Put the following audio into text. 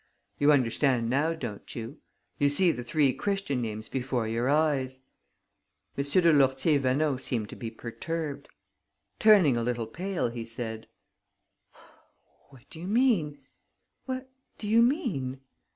You understand now, don't you? You see the three Christian names before your eyes...." M. de Lourtier Vaneau seemed to be perturbed. Turning a little pale, he said: "What do you mean? What do you mean?"